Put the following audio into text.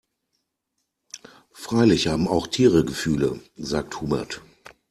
Freilich haben auch Tiere Gefühle, sagt Hubert.